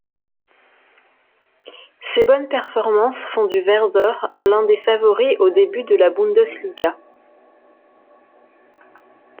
Ces bonnes performances font du Werder l'un des favoris aux débuts de la Bundesliga.